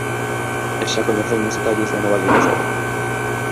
E xa coñecemos detalles da nova Lei do xogo.